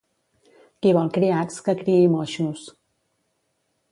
Qui vol criats, que criï moixos.